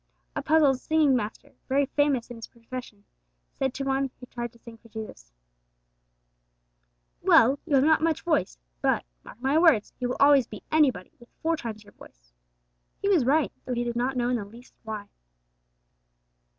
A puzzled singing master, very famous in his profession, said to one who tried to sing for Jesus, 'Well, you have not much voice; but, mark my words, you will always beat anybody with four times your voice!' He was right, though he did not in the least know why.